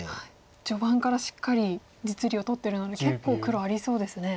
序盤からしっかり実利を取ってるので結構黒ありそうですね。